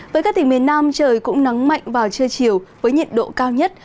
với các tỉnh miền nam trời cũng nắng mạnh vào trưa chiều với nhiệt độ cao nhất